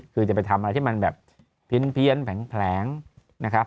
คือจะไปทำอะไรที่มันแบบเพี้ยนแผลงนะครับ